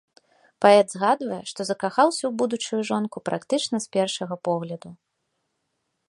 Паэт згадвае, што закахаўся ў будучую жонку практычна з першага погляду.